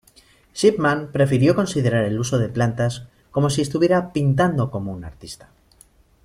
Shipman prefirió considerar el uso de plantas como "si estuviera pintando como un artista".